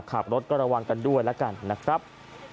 ขับรถก็ระวังกันด้วยแล้วกันนะครับ